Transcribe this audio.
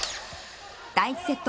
第１セット